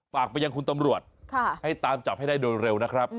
ฝากไปยังคุณตำรวจให้ตามจับให้ได้โดยเร็วนะครับ